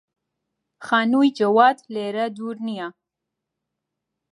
خانووی جەواد لێرە دوور نییە.